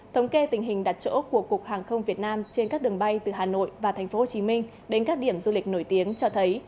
thống kê tình hình đặt chỗ của cục hàng không việt nam trên các đường bay từ hà nội và tp hcm đến các điểm du lịch nổi tiếng cho thấy